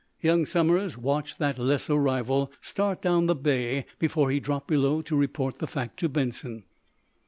Young Somers watched that lesser rival start down the bay before he dropped below to report the fact to Benson.